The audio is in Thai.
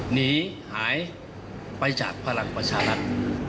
หนีหายไปจากพลังประชารัฐ